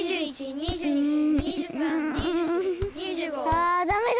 あダメだ。